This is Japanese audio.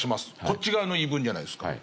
こっち側の言い分じゃないですか。